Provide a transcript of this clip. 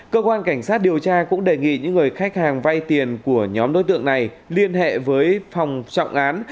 cơ quan cảnh sát điều tra cũng đề nghị những người khách hàng vay tiền của nhóm đối tượng này liên hệ với phòng trọng án